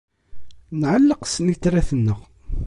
Nɛelleq snitrat-nneɣ.